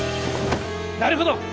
なるほど！